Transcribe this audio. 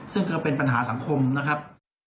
ซึ่งก็เป็นปัญหาสังคมนะครับ